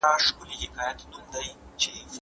په نړۍ کې يوازنی اسلامي نظام هغه د افغانستان دی.